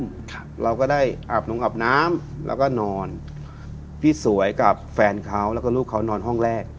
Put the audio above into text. ครับเราก็ได้อาบลงอาบน้ำแล้วก็นอนพี่สวยกับแฟนเขาแล้วก็ลูกเขานอนห้องแรก